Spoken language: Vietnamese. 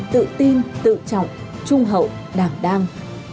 tự tin tự trọng trung hậu đảng đăng